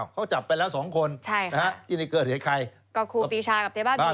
เขาจับไปแล้ว๒คนใช่ค่ะ